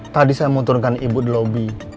tadi saya mau turunkan ibu di lobi